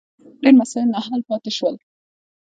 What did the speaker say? ډېر مسایل نا حل پاتې شول.